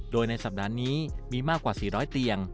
โดยในสัปดาห์นี้มีมากกว่า๔๐๐เตียง